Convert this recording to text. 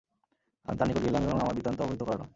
আমি তার নিকট গেলাম এবং আমার বৃত্তান্ত অবহিত করালাম।